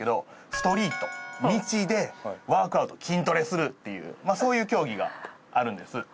ストリート道でワークアウト筋トレするっていうそういう競技があるんです。